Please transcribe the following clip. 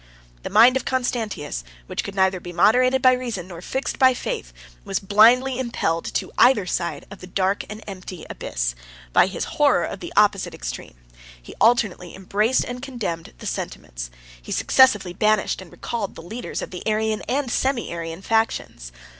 The mind of Constantius, which could neither be moderated by reason, nor fixed by faith, was blindly impelled to either side of the dark and empty abyss, by his horror of the opposite extreme; he alternately embraced and condemned the sentiments, he successively banished and recalled the leaders, of the Arian and Semi Arian factions.